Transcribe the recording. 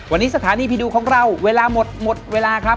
วันนี้สถานีผีดุของเราเวลาหมดหมดเวลาครับ